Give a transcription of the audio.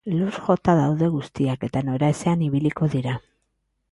Lur jota daude guztiak, eta noraezean ibiliko dira.